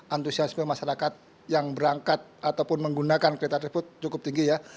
antusiasme masyarakat yang berangkat ataupun menggunakan kereta tersebut cukup tinggi ya